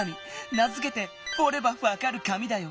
名づけて「おればわかる紙」だよ。